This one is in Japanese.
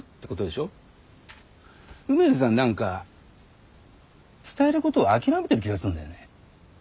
梅津さん何か伝えることを諦めてる気がするんだよね。